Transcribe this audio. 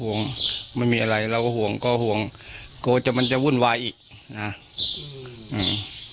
ห่วงไม่มีอะไรเราก็ห่วงก็ห่วงกลัวจะมันจะวุ่นวายอีกนะอืม